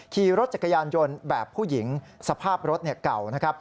ขี่รถจักรยานยนต์แบบผู้หญิงสภาพรถเก่านะครับ